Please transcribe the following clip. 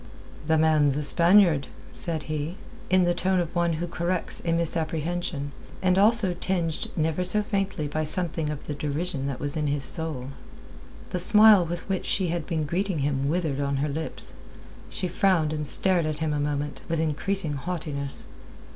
"The man's a Spaniard," said he, in the tone of one who corrects a misapprehension, and also tinged never so faintly by something of the derision that was in his soul. The smile with which she had been greeting him withered on her lips. She frowned and stared at him a moment, with increasing haughtiness.